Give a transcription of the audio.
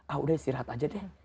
ah udah istirahat aja deh